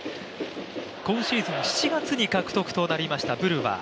今シーズン、７月に獲得となりました、ブルワー。